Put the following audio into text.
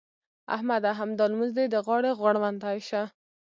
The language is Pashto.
احمده! همدا لمونځ دې د غاړې غړوندی شه.